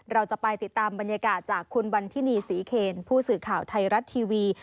เราจะไปติดตามบรรยากาศจากคุณวันทินีศรีเคนผู้สื่อข่าวไทยรัฐทีวี